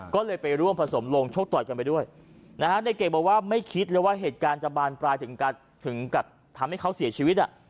ก็เลยไปร่วมผสมลงโชคต่อยกันไปด้วยนะฮะในเก่งบอกว่าไม่คิดเลยว่าเหตุการณ์จะบานปลายถึงกับทำให้เขาเสียชีวิต